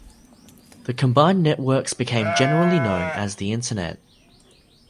The combined networks became generally known as the Internet.